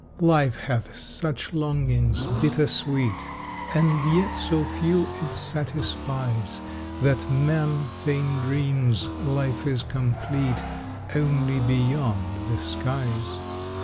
Life hath such longings, bitter sweet, And yet so few it satisfies That man fain dreams life is complete Only beyond the skies.